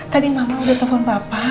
tadi mama udah telepon bapak